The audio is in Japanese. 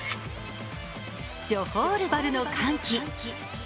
ジョホールバルの歓喜。